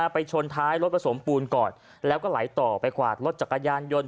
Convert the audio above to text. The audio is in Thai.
ไปชนท้ายรถผสมปูนก่อนแล้วก็ไหลต่อไปกวาดรถจักรยานยนต์